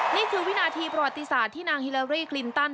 นี่คือวินาทีประวัติศาสตร์ที่นางฮิลารี่คลินตัน